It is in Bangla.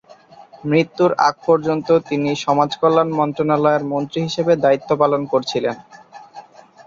মৃত্যুর আগ পর্যন্ত তিনি সমাজকল্যাণ মন্ত্রণালয়ের মন্ত্রী হিসেবে দায়িত্ব পালন করছিলেন।